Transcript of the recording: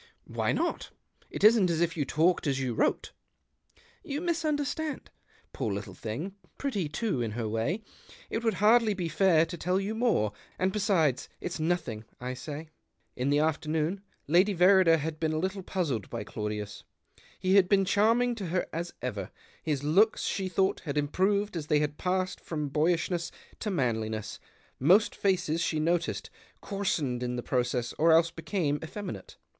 "Why not? It isn't as if you talked as you wrote." " You misunderstand. Poor little thing — pretty too, in her way ! It would hardly be fair to tell you more ; and l^esides, it's nothing, I say." In the afternoon Lady Verrider had been a little puzzled by Claudius. He had been charming to her as ever ; his looks, she thought, had improved as they had passed from boyishness to manliness — most faces, she noticed, coarsened in the process, or else became effeminate.